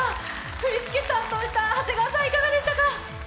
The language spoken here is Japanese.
振り付け担当した長谷川さん、いかがでしたか？